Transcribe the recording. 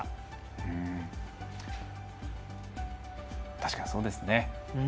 確かにそうですね。